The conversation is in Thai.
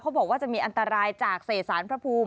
บอกว่าจะมีอันตรายจากเศษสารพระภูมิ